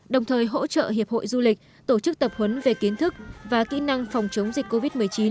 đồng thời hỗ trợ hiệp hội du lịch tổ chức tập huấn về kiến thức và kỹ năng phòng chống dịch covid một mươi chín